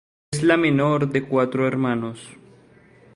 Es la menor de cuatro hermanos.